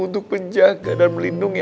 untuk menjaga dan melindungi